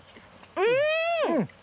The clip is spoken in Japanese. うん！